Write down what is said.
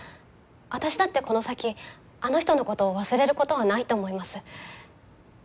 私だってこの先あの人のことを忘れることはないと思います。